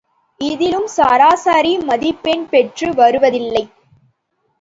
இதிலும் சராசரி மதிப்பெண் பெற்று வருவதில்லை.